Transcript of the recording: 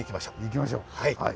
行きましょう。